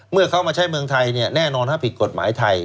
เมื่อเขามาใช้เมืองไทยแน่นอนผิดกฎหมายไทย